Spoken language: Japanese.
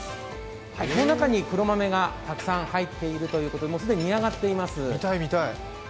この中に黒豆がたくさん入っているということで、既に煮上がっています。